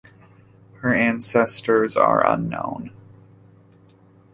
Her ancestors are unknown.